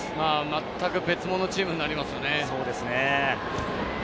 まったく別物のチームになりますよね。